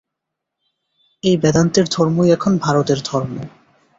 এই বেদান্তের ধর্মই এখন ভারতের ধর্ম।